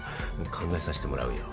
考えさしてもらうよ。